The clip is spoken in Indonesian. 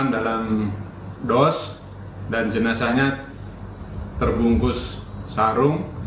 dalam dos dan jenazahnya terbungkus sarung